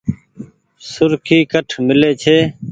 سرکي ڪٺ ميلي ڇي۔